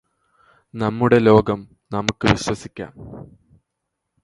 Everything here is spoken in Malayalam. നമ്മുടെ ലോകം നമുക്ക് വിശ്വസിക്കാം